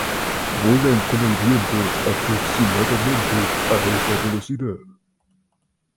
Vuelan con el viento aproximadamente a esa velocidad.